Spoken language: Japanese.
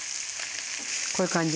こういう感じ。